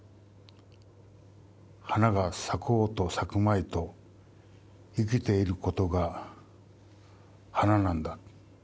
「花が咲こうと咲くまいと生きていることが花なんだ